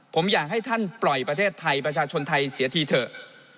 ผมอยากให้ท่านปล่อยประเทศไทยประชาชนไทยเสียทีเถอะ